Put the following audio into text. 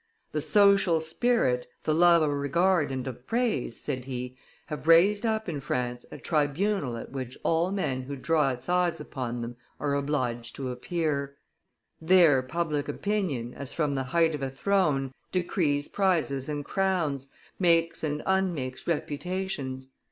"The social spirit, the love of regard and of praise," said he, "have raised up in France a tribunal at which all men who draw its eyes upon them are obliged to appear: there public opinion, as from the height of a throne, decrees prizes and crowns, makes and unmakes reputations.